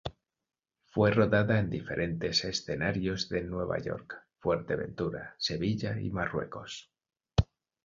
Fue rodada en diferentes escenarios de Nueva York, Fuerteventura, Sevilla y Marruecos.